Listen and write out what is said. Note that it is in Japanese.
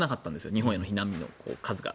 日本への避難民の数が。